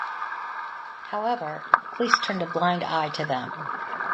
However, police turned a blind eye to them.